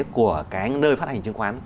của nơi phát hành trường khoán